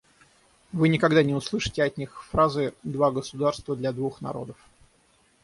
Вы никогда не услышите от них фразы «два государства для двух народов».